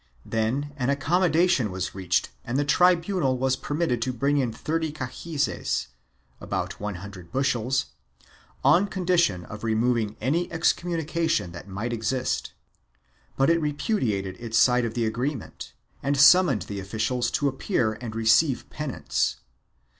Then an accommodation was reached and the tribunal was permitted to bring in thirty cahizes (about one hundred bushels), on condition of removing any excommunication that might exist, but it repudiated its side of the agreement and summoned* the officials to appear and receive penance.